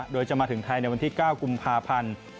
โดยจะมาถึงไทยในวันที่๙กุมภาพันธ์